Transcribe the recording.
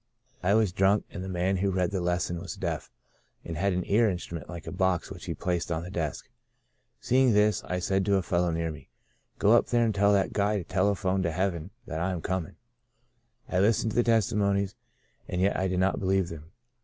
I was drunk, and the man who read the lesson was deaf, and had an ear instrument like a box, which he placed on the desk. Seeing this, I said to a fellow near me, * Go up there and tell that guy to telephone to heaven that I am coming.' I listened to the testimonies and yet I did not believe them.